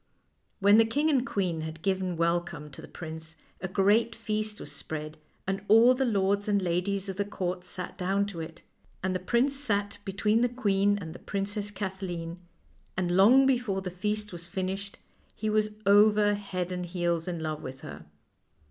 When the king and queen had given welcome to the prince a great feast was spread, and all the lords and ladies of the court sat down to it, and the prince sat between the queen and the Princess Kathleen, and long before the feast was finished he was over head and ears in love with her.